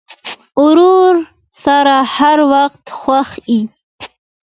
ورور سره هر وخت خوښ یې.